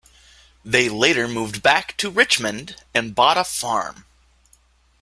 They later moved back to Richmond and bought a farm.